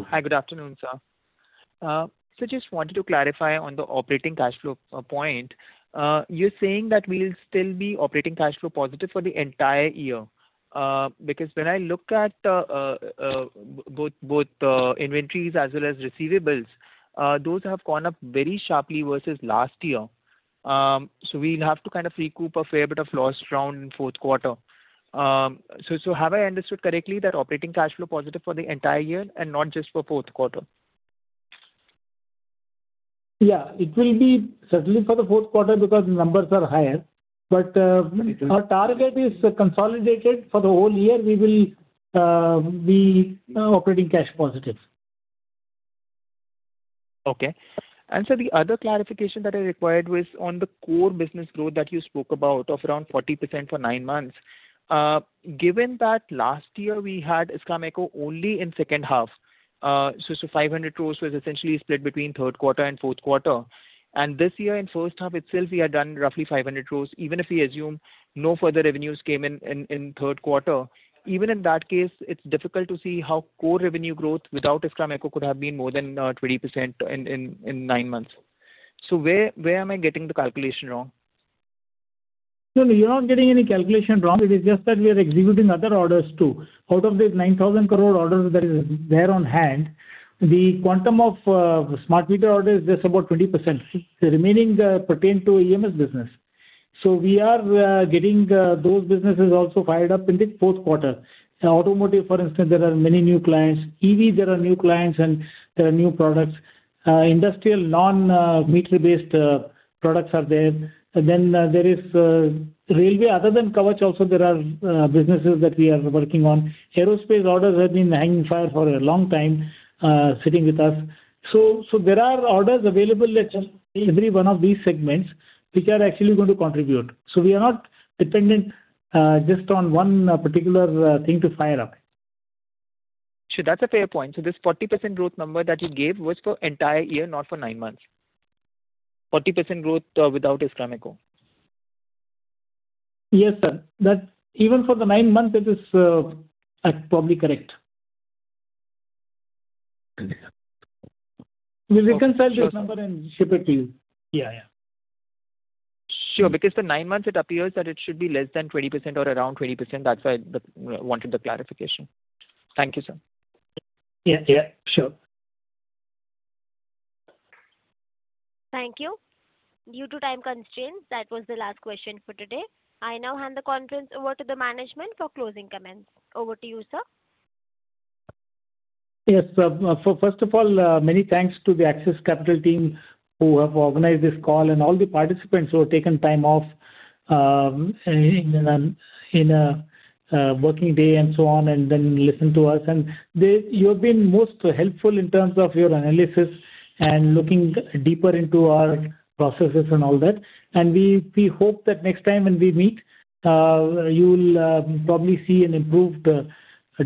Speaker 18: Hi. Good afternoon, sir. So just wanted to clarify on the operating cash flow point. You're saying that we'll still be operating cash flow positive for the entire year? Because when I look at both inventories as well as receivables, those have gone up very sharply versus last year. So we'll have to kind of recoup a fair bit of losses around in fourth quarter. So have I understood correctly that operating cash flow positive for the entire year and not just for fourth quarter?
Speaker 4: Yeah, it will be certainly for the fourth quarter because the numbers are higher. But our target is consolidated for the whole year. We will be operating cash positive.
Speaker 6: Okay. And so the other clarification that I required was on the core business growth that you spoke about of around 40% for nine months. Given that last year we had Iskraemeco only in second half, so 500 crore was essentially split between third quarter and fourth quarter. And this year, in first half itself, we had done roughly 500 crore, even if we assume no further revenues came in in third quarter. Even in that case, it's difficult to see how core revenue growth without Iskraemeco could have been more than 20% in nine months. So where am I getting the calculation wrong?
Speaker 4: No, no, you're not getting any calculation wrong. It is just that we are executing other orders, too. Out of the 9,000 crore orders that is there on hand, the quantum of smart meter orders is just about 20%. The remaining pertain to EMS business. So we are getting those businesses also fired up in the fourth quarter. Automotive, for instance, there are many new clients. EV, there are new clients, and there are new products. Industrial non-meter-based products are there. Then there is railway. Other than Kavach, also there are businesses that we are working on. Aerospace orders have been hanging fire for a long time, sitting with us. So, so there are orders available at every one of these segments which are actually going to contribute. So we are not dependent just on one particular thing to fire up.
Speaker 6: Sure. That's a fair point. So this 40% growth number that you gave was for entire year, not for nine months? 40% growth, without Iskraemeco?
Speaker 4: Yes, sir. That even for the nine months, it is, probably correct. We'll reconcile this number and ship it to you. Yeah, yeah.
Speaker 6: Sure. Because for nine months, it appears that it should be less than 20% or around 20%. That's why I wanted the clarification. Thank you, sir.
Speaker 4: Yeah, yeah. Sure.
Speaker 1: Thank you. Due to time constraints, that was the last question for today. I now hand the conference over to the management for closing comments. Over to you, sir.
Speaker 4: Yes, sir. First of all, many thanks to the Axis Capital team who have organized this call and all the participants who have taken time off, in a working day and so on, and then listened to us. And they you have been most helpful in terms of your analysis and looking deeper into our processes and all that. And we hope that next time when we meet, you'll probably see an improved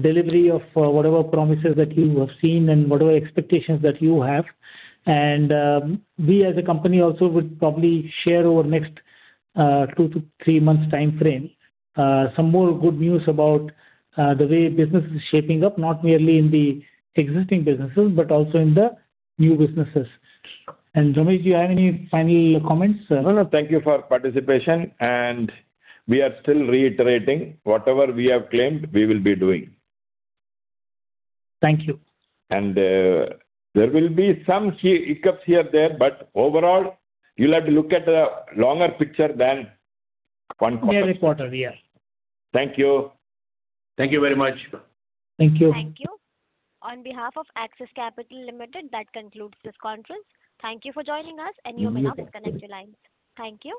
Speaker 4: delivery of whatever promises that you have seen and whatever expectations that you have. And we as a company also would probably share over the next 2-3 months' time frame some more good news about the way business is shaping up, not merely in the existing businesses, but also in the new businesses. And Ramesh, do you have any final comments, sir?
Speaker 6: No, no. Thank you for participation. We are still reiterating whatever we have claimed we will be doing.
Speaker 4: Thank you.
Speaker 6: There will be some hiccups here and there. Overall, you'll have to look at a longer picture than one quarter.
Speaker 4: Near a quarter, yeah.
Speaker 6: Thank you. Thank you very much.
Speaker 4: Thank you.
Speaker 1: Thank you. On behalf of Axis Capital Limited, that concludes this conference. Thank you for joining us. You may now disconnect your lines. Thank you.